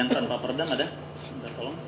tanpa peredam dulu